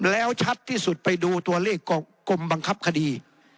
แล้วชัดที่สุดไปดูตัวเลขกรมบังคับคดี